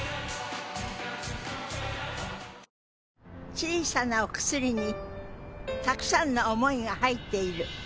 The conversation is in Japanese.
小さなお薬にたくさんの想いが入っている。